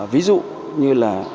ví dụ như là